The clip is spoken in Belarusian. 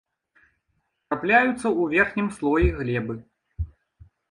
Трапляюцца ў верхнім слоі глебы.